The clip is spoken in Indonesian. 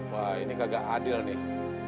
wah ini kagak adil nih